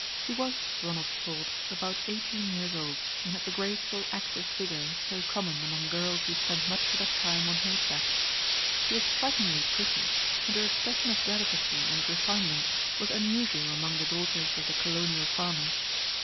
She was, Ronald thought, about eighteen years old, and had the graceful, active figure so common among girls who spend much of their time on horseback. She was strikingly pretty, and her expression of delicacy and refinement was unusual among the daughters of the colonial farmers.